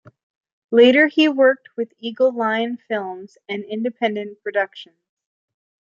Later he worked with Eagle-Lion Films and independent productions.